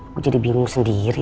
gue jadi bingung sendiri dah